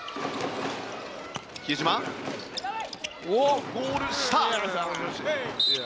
比江島、ゴール下。